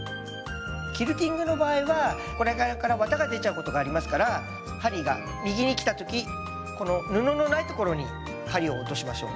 キルティングの場合はここら辺から綿が出ちゃうことがありますから針が右に来た時この布のないところに針を落としましょう。